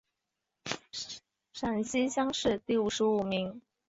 陕西乡试第五十五名。